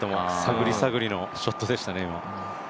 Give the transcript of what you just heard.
探り探りのショットでしたね。